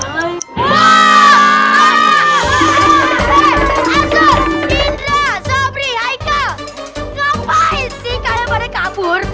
hidra sobri aiko ngapain sih kayaknya pada kabur